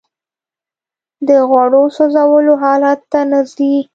د غوړو سوځولو حالت ته نه ځي